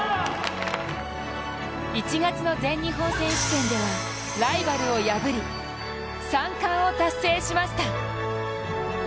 １月の全日本選手権ではライバルを破り３冠を達成しました。